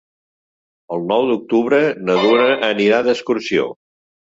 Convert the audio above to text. El nou d'octubre na Duna anirà d'excursió.